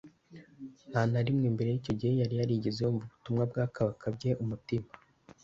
Nta na rimwe mbere y’icyo gihe yari yarigeze yumva ubutumwa bwakabakabye umutima